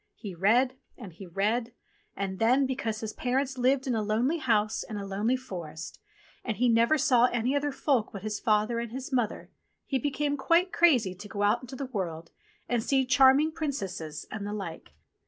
He read, and he read, and then, because his parents lived in a lonely house in a lonely forest and he never saw any other folk but his father and his mother, he became quite crazy to go out into the world and see charming princesses and the like.